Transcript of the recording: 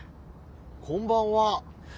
こんばんは。